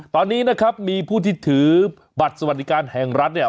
ตอนนี้นะครับมีผู้ที่ถือบัตรสวัสดิการแห่งรัฐเนี่ย